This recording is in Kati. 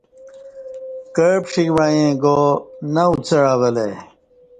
کع پݜیک وعیں گا نہ اُڅع اوہ لہ ای